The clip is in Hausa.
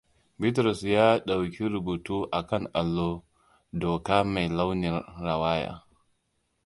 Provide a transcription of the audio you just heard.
Bitrus ya dauki rubutu akan allon doka mai launin rawaya.